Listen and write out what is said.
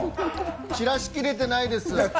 ちらしきれてないんです。